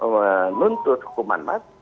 menuntut hukuman mati